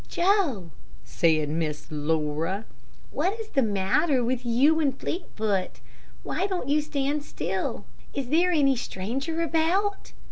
"Joe," said Miss Laura, "what is the matter with you and Fleetfoot? Why don't you stand still? Is there any stranger about?"